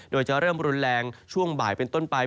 โดยจะเริ่มรุนแรงช่วงบ่ายเป็นต้นไป